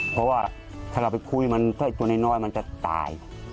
เพราะว่าถ้าเราไปคุยมันถ้าตัวน้อยมันจะตาย